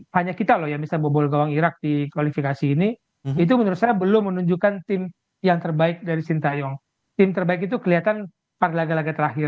hanya kita loh yang misalnya bobol gawang irak di kualifikasi ini itu menurut saya belum menunjukkan tim yang terbaik dari sintayong tim terbaik itu kelihatan pada laga laga terakhir